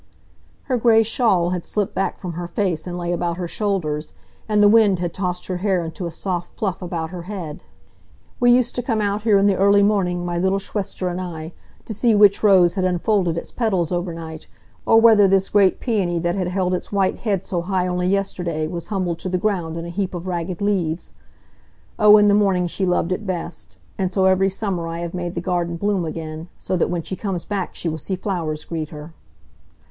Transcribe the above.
Her gray shawl had slipped back from her face and lay about her shoulders, and the wind had tossed her hair into a soft fluff about her head. "We used to come out here in the early morning, my little Schwester and I, to see which rose had unfolded its petals overnight, or whether this great peony that had held its white head so high only yesterday, was humbled to the ground in a heap of ragged leaves. Oh, in the morning she loved it best. And so every summer I have made the garden bloom again, so that when she comes back she will see flowers greet her.